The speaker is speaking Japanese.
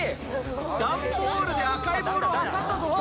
段ボールで赤いボールを挟んだぞ！